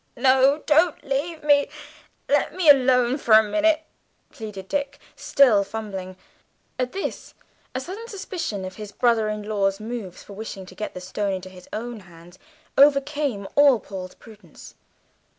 "No, don't leave me, let me alone for a minute," pleaded Dick, still fumbling. At this a sudden suspicion of his brother in law's motives for wishing to get the Stone into his own hands overcame all Paul's prudence.